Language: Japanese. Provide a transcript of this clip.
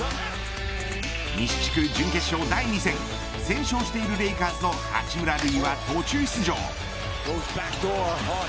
西地区準決勝第２戦先勝しているレイカーズの八村塁は途中出場。